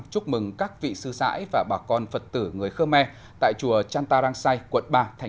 chúc mừng các vị sư sãi và bà con phật tử người khơ me tại chùa chan ta rang sai quận ba tp hcm